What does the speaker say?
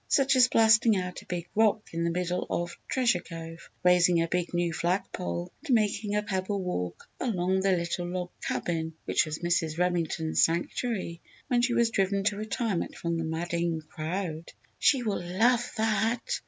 Such as blasting out a big rock in the middle of Treasure Cove, raising a big new flag pole, and making a pebble walk around the little log cabin which was Mrs. Remington's sanctuary when she was driven to retirement from the "madding crowd." "She will love that!"